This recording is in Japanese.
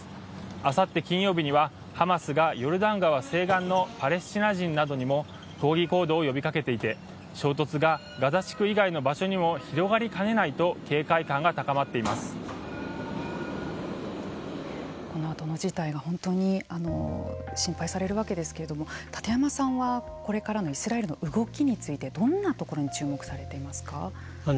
あさって金曜日にはハマスがヨルダン川西岸のパレスチナ人などにも抗議行動を呼びかけていて衝突がガザ地区以外の場所にも広がりかねないとこのあとの事態が本当に心配されるわけですけれども立山さんはこれからのイスラエルの動きについてどんなところに注目されていますか。